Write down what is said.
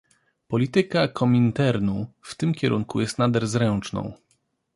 "Polityka Kominternu w tym kierunku jest nader zręczną."